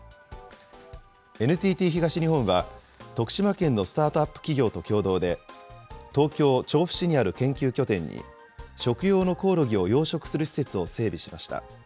ＮＴＴ東日本は、徳島県のスタートアップ企業と共同で、東京・調布市にある研究拠点に、食用のコオロギを養殖する施設を整備しました。